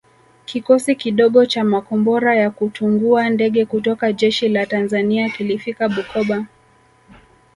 Kikosi kidogo cha makombora ya kutungua ndege kutoka jeshi la Tanzania kilifika Bukoba